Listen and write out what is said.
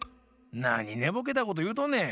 なにねぼけたこというとんねん。